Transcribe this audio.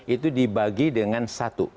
itu dibagi dengan satu